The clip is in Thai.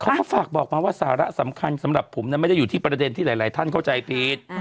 เขาก็ฝากบอกมาว่าสาระสำคัญสำหรับผมไม่ได้อยู่ที่ประเด็นที่หลายท่านเข้าใจผิด